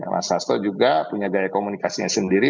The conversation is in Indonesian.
mas hasto juga punya gaya komunikasinya sendiri